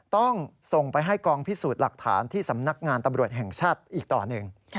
ต้องส่งไปให้กองพิสูจน์หลักฐานที่สำนักงานตำรวจแห่งชาติอีกต่อหนึ่ง